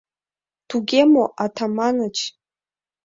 Туге мо, Атаманыч?